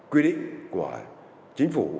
quy định của chính phủ